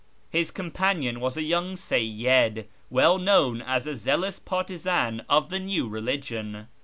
His companion was a young Seyyid, well known as a zealous partisan of the new religion.